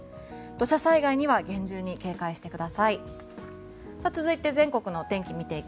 土砂災害には厳重に警戒してください。